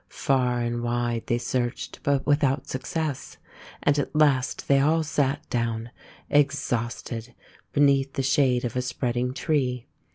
Far and wide they searched, but without success, and at last they all sat down, exhausted, beneath the shade of a spreading tree.